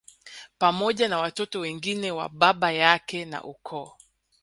Pamoja na watoto wengine wa baba yake na ukoo